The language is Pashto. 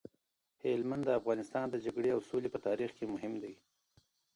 هلمند د افغانستان د جګړې او سولې په تاریخ کي مهم دی.